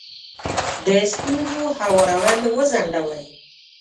د ستونزو هوارول وځنډوئ.